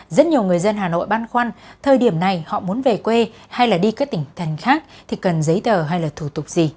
rất nhiều người dân hà nội băn khoăn thời điểm này họ muốn về quê hay đi các tỉnh thành khác thì cần giấy tờ hay là thủ tục gì